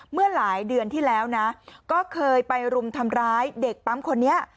เมื่อหลายเดือนที่แล้วนะก็เคยไปรุมทำร้ายเด็กปั๊มคนนี้